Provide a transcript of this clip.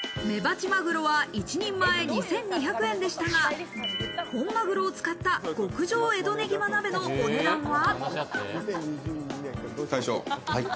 メバチマグロは１人前２２００円でしたが、本マグロを使った、極上江戸ねぎま鍋のお値段は。